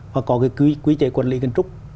và có cái quý chế quản lý kiến trúc